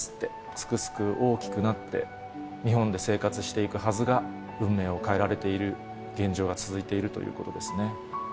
すくすく大きくなって、日本で生活していくはずが、運命を変えられている現状が続いているということですね。